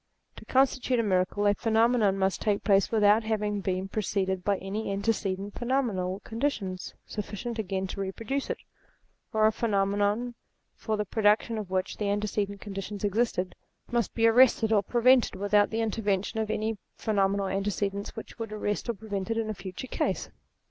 To constitute a miracle a pheno menon must take place without having been preceded by any antecedent phenomenal conditions sufficient again to reproduce it ; or a phenomenon for the pro duction of which the antecedent conditions existed, REVELATION 225 must be arrested or prevented without the interven tion of any phenomenal antecedents which would arrest or prevent it in a future case.